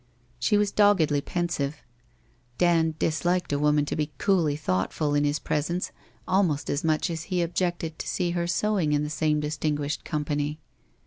She was doggedly pensive. Dand dis liked a woman to be coolly thoughtful in his presence almost as much as he objected to see her sewing in the same distinguished company.